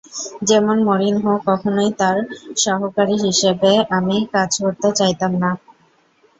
যেমন মরিনহো, কখনোই তার সহকারী হিসেবে আমি কাজ করতে চাইতাম না।